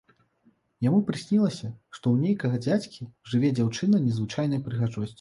Яму прыснілася, што ў нейкага дзядзькі жыве дзяўчына незвычайнай прыгажосці.